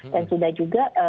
dan sudah juga